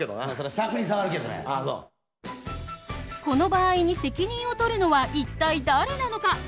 この場合に責任を取るのは一体誰なのか？